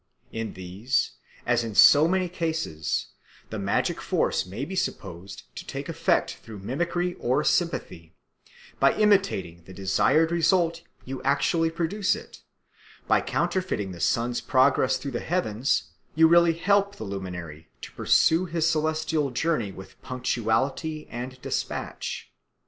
In these, as in so many cases, the magic force may be supposed to take effect through mimicry or sympathy: by imitating the desired result you actually produce it: by counterfeiting the sun's progress through the heavens you really help the luminary to pursue his celestial journey with punctuality and despatch.